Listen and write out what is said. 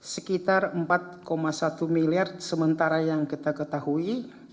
sekitar empat satu miliar sementara yang kita ketahui